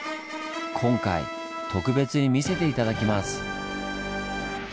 今回特別に見せて頂きます！